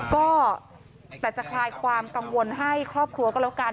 ก็แต่จะคลายความกังวลให้ครอบครัวก็แล้วกัน